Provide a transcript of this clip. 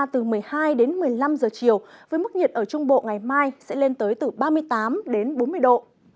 từ một mươi hai đến một mươi năm giờ chiều với mức nhiệt ở trung bộ ngày mai sẽ lên tới từ ba mươi tám đến bốn mươi độ